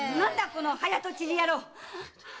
この早とちり野郎っ！